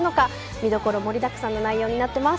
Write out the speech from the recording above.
見どころ盛りだくさんの内容になっています。